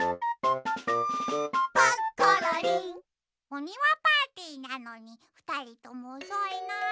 おにわパーティーなのにふたりともおそいな。